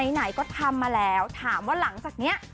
ไหนก็ทำมาแล้วถามว่าหลังจากนี้